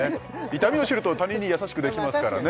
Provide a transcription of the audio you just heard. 痛みを知ると他人に優しくできますからね